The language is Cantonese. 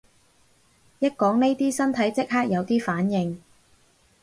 一講呢啲身體即刻有啲反應